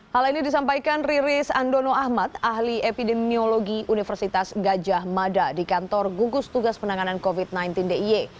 hal ini disampaikan riris andono ahmad ahli epidemiologi universitas gajah mada di kantor gugus tugas penanganan covid sembilan belas d i e